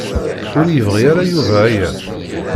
Ur yebɣi ara Yuba aya.